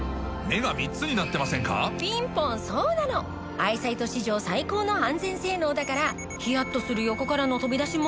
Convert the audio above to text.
アイサイト史上最高の安全性能だからヒヤっとする横からの飛び出しも！